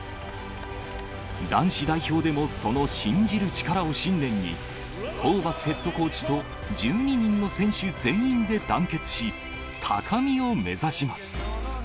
男子代表でもその信じる力を信念に、ホーバスヘッドコーチと１２人の選手全員で団結し、高みを目指します。